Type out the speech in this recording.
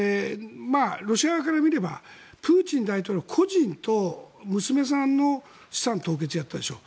ロシアから見ればプーチン大統領個人と娘さんの資産凍結をやったでしょ。